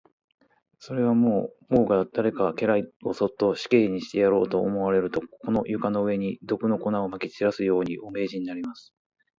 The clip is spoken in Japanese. それは、もし王が誰か家来をそっと死刑にしてやろうと思われると、この床の上に、毒の粉をまき散らすように、お命じになります。